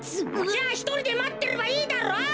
じゃあひとりでまってればいいだろう。